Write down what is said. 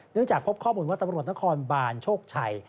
จากพบข้อมูลว่าตำรวจนครบานโชคชัย